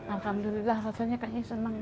alhamdulillah rasanya kayaknya senang